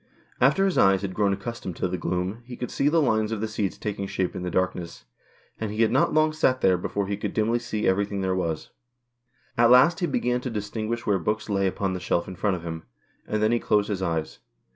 After his eyes had grown accustomed to the gloom he could see the lines of the seats taking shape in the darkness, and he had not long sat there before he could dimly see everything there was. At last he began to distinguish where books lay upon the shelf in front of him. And then he closed his eyes.